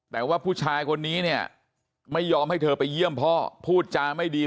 แต่ว่าผู้ชายคนนี้เนี่ยไม่ยอมให้เธอไปเยี่ยมพ่อพูดจาไม่ดี